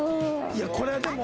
いやこれはでも。